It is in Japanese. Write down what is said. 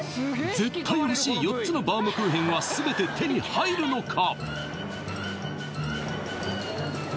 絶対欲しい４つのバウムクーヘンは全て手に入るのか？